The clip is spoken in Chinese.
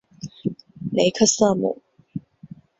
雷克瑟姆。